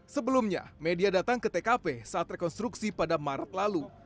sebelumnya media datang ke tkp saat rekonstruksi pada maret lalu